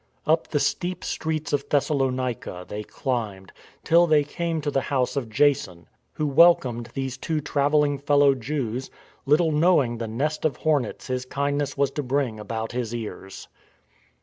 Up the steep streets of Thessalonica they climbed, till they came to the house of Jason, who welcomed these two travelling fellow Jews — little knowing the nest of hornets his kindness was to bring about his ears.